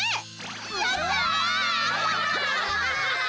やった！